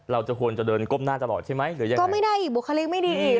เราจะควรจะเดินก้มหน้าตลอดใช่ไหมหรือยังไงก็ไม่ได้อีกบุคลิกไม่ดีอีก